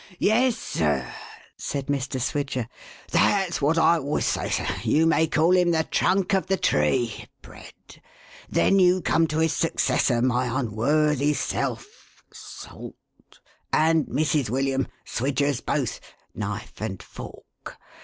"Yes, sir," said Mr. Swidger. "That's what I always say, sir. You may call him the trunk of the tree !— Bread. Then you come to his successor, my unworthy self — Salt — and Mrs. William, Swidgers both. — Knife and fork.